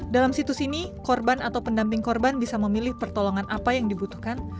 dalam situs ini korban atau pendamping korban bisa memilih pertolongan apa yang dibutuhkan